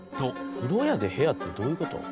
風呂屋で部屋ってどういう事？